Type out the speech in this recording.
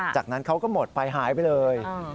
จากนั้นเขาก็หมดไปหายไปเลย